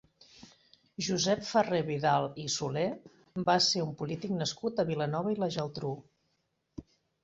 Josep Ferrer-Vidal i Soler va ser un polític nascut a Vilanova i la Geltrú.